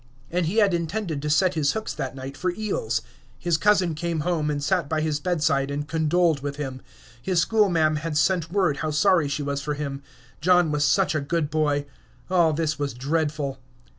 And he had intended to set his hooks that night for eels. His cousin came home, and sat by his bedside and condoled with him; his schoolma'am had sent word how sorry she was for him, John was Such a good boy. All this was dreadful.